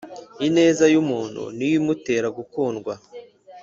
Ineza yumuntu niyo imutera gukundwa